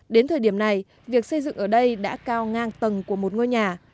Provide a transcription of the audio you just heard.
đến thời điểm này việc xây dựng ở đây đã cao ngang tầng của một ngôi nhà